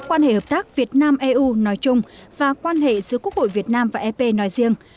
quan hệ hợp tác việt nam eu nói chung và quan hệ giữa quốc hội việt nam và ep nói riêng